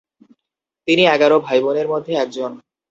তিনি এগারো ভাইবোনের মধ্যে একজন।